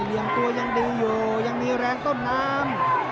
เหลี่ยมตัวยังดีอยู่ยังมีแรงต้นน้ำ